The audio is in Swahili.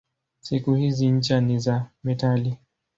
Siku hizi ncha ni za metali.